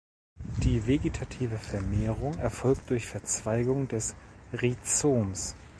Die Vegetative Vermehrung erfolgt durch Verzweigung des Rhizoms.